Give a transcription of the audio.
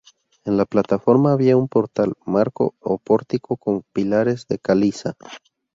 En la plataforma había un portal, marco, o pórtico con pilares, de caliza.